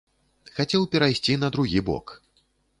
Хацеў перайсці на другі бок.